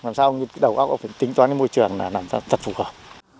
làm sao ông nhật đầu có thể tính toán môi trường là làm sao thật phù hợp